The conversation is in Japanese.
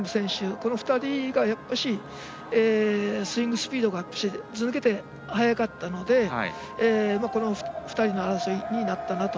この２人がスイングスピードがずばぬけて速かったのでこの２人の争いになったなと。